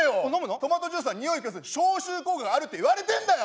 トマトジュースはにおいを消す消臭効果があると言われてんだよ！